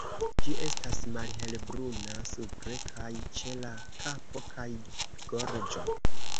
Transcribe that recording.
Ĝi estas malhelbruna supre kaj ĉe la kapo kaj gorĝo.